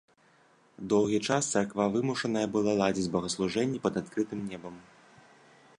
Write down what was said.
Доўгі час царква вымушаная была ладзіць богаслужэнні пад адкрытым небам.